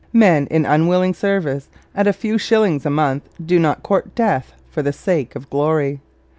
Men in unwilling service at a few shillings a month do not court death for the sake of glory.